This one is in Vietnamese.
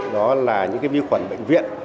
đó là những cái nhiễm khuẩn bệnh viện